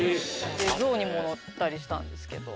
ゾウにも乗ったりしたんですけど。